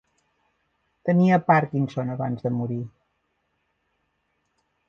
Tenia Parkinson abans de morir.